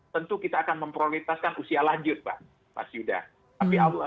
tentu kita akan memprioritaskan usia lanjut pak mas yuda